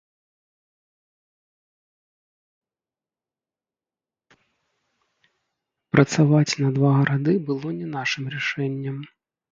Працаваць на два гарады было не нашым рашэннем.